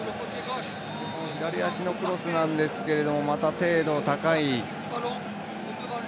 左足のクロスなんですがまた精度の高い。